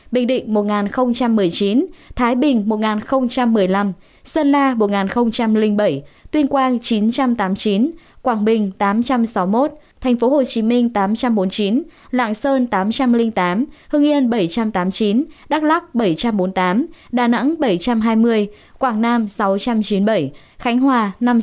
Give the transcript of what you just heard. bình định một một mươi chín thái bình một một mươi năm sơn la một bảy tuyên quang chín trăm tám mươi chín quảng bình tám trăm sáu mươi một tp hcm tám trăm bốn mươi chín lạng sơn tám trăm linh tám hưng yên bảy trăm tám mươi chín đắk lắc bảy trăm bốn mươi tám đà nẵng bảy trăm hai mươi quảng nam sáu trăm chín mươi bảy khánh hòa năm trăm chín mươi